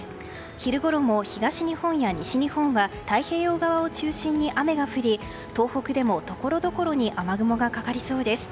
昼ごろも東日本や西日本は太平洋側を中心に雨が降り東北でもところどころに雨雲がかかりそうです。